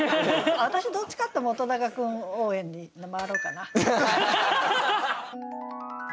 私どっちかというと本君応援に回ろうかな。